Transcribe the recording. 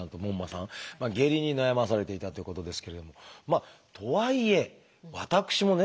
下痢に悩まされていたということですけれどもとはいえ私もね